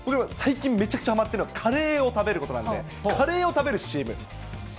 最近、めちゃくちゃはまっているのは、カレーを食べることなんで、カレーを食べるＣＭ。